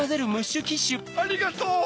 ありがとう！